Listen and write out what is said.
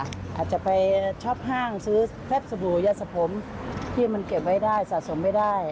อาจจะไปช็อปห้างซื้อแทบสบู่ยาสะผมที่มันเก็บไว้ได้สะสมไม่ได้